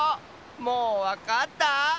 もうわかった？